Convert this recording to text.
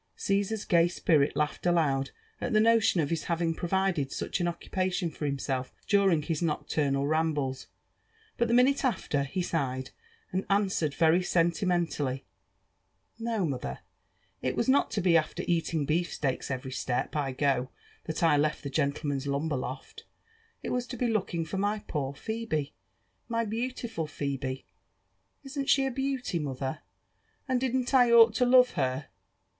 Caesar s gay spirit laughed aloud at the notion of hjs having provided iCich an occupation for himself during his nocturnal rambles; but the minute after, he sighed, and answered very sentimentally, " No, mother ! it was not to be after eating beefsteaks every step I go that I left the gentleman's lumber loft : it was to bo looking for my poor Phebe — my beautiful Phebe! Isn't she a beauty, mother ? and didn't I ought to love her?